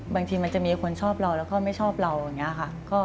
บางทีมันจะมีคนชอบเราแล้วก็ไม่ชอบเราอย่างนี้ค่ะ